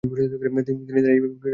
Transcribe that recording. তিনি তার মায়ের একমাত্র সন্তান ছিলেন।